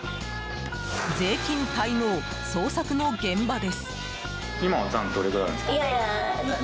税金滞納、捜索の現場です。